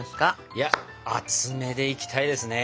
いや厚めでいきたいですね。